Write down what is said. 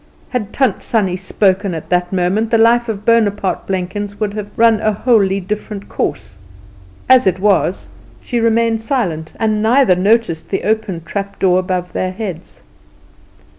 Had Tant Sannie spoken at that moment the life of Bonaparte Blenkins would have run a wholly different course; as it was, she remained silent, and neither noticed the open trap door above their heads.